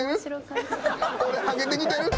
俺はげてきてる。